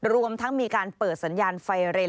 รวมทั้งมีการเปิดสัญญาณไฟเรน